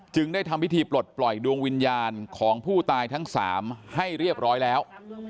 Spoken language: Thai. ได้ทำพิธีปลดปล่อยดวงวิญญาณของผู้ตายทั้ง๓ให้เรียบร้อยแล้ว